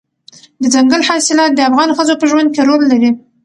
دځنګل حاصلات د افغان ښځو په ژوند کې رول لري.